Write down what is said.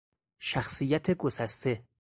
شخصیت گسسته